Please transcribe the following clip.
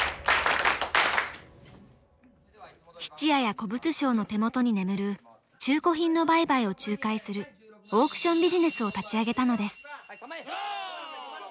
質屋や古物商の手元に眠る中古品の売買を仲介するオークションビジネスを立ち上げたのです。